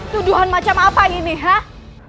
tuduhan macam apa ini hek